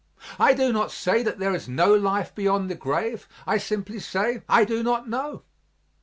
I do not say that there is no life beyond the grave, I simply say I do not know."